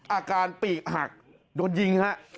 อาการปีกหักโดนยิงฮะ